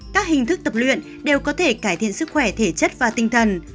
các hình thức tập luyện đều có thể cải thiện sức khỏe thể chất và tinh thần